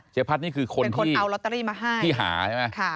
เจ๊พัฒนนี่คือคนที่เอาลอตเตอรี่มาให้ที่หาใช่ไหม